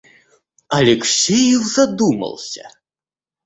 Алексеев задумался.